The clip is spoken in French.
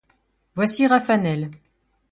Voici Raphanel.